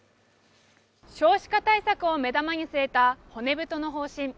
少子化対策を目玉に据えた骨太の方針。